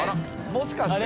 もしかして。